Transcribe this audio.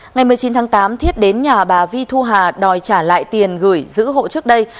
ngày một mươi chín tháng tám thiết đến nhà bà vi thu hà đòi trả lại tiền gửi giữ hộ trước đây